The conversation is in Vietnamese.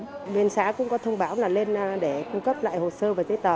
nguyên xã cũng có thông báo là lên để cung cấp lại hồ sơ và giấy tờ